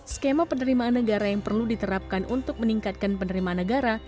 skema penerimaan negara yang perlu diterapkan untuk meningkatkan penerimaan negara